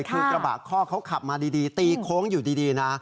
คือกระบะข้อเขาขับมาดีตีโค้งอยู่ดีนะ